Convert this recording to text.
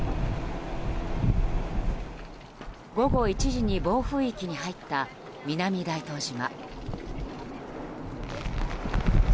午後１時に暴風域に入った南大東島。